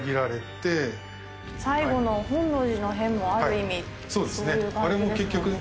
最期の本能寺の変もある意味そういう感じですもんね。